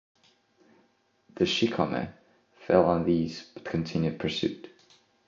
The "shikome" fell on these but continued pursuit.